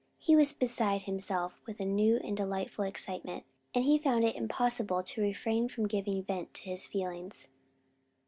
He was beside himself with a new and delightful excitement, and he found it impossible to refrain from giving vent to his feelings.